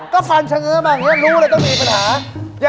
ก็ฟันชะเงื้อแบบนี้รู้เลยต้องมีปัญหา